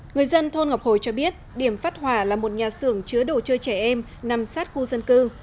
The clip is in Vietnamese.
người dân thôn ngọc hồi cho biết điểm phát hỏa là một nhà xưởng chứa đồ chơi trẻ em nằm sát khu dân cư